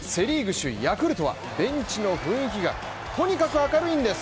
首位ヤクルトはベンチの雰囲気がとにかく明るいんです。